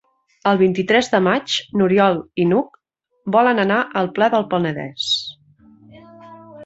El vint-i-tres de maig n'Oriol i n'Hug volen anar al Pla del Penedès.